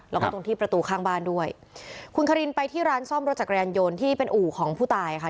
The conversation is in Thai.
แล้วก็ตรงที่ประตูข้างบ้านด้วยคุณคารินไปที่ร้านซ่อมรถจักรยานยนต์ที่เป็นอู่ของผู้ตายค่ะ